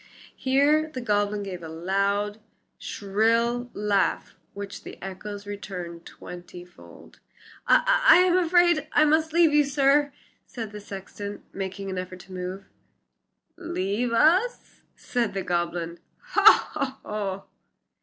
Here the goblin gave a loud, shrill laugh which the echoes returned twenty fold. "I I am afraid I must leave you, sir," said the sexton, making an effort to move. "Leave us!" said the goblin; "ho! ho!